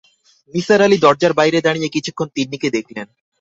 নিসার আলি দরজার বাইরে দাঁড়িয়ে কিছুক্ষণ তিন্নিকে দেখলেন।